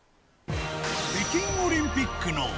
北京オリンピックの。